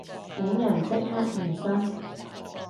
本人即刻現身